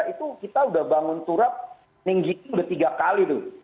itu kita udah bangun turap ninggikan udah tiga kali tuh